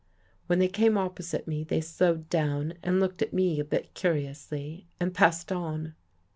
When they came opposite me, they slowed down and looked at me a bit curiously and passed on.